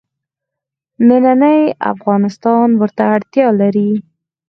نننی افغانستان ورته اړتیا لري.